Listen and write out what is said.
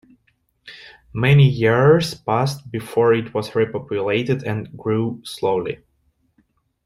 Many years passed before it was repopulated and grew slowly.